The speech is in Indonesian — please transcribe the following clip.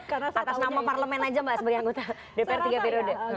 atas nama parlemen aja mbak sebagai anggota dpr tiga periode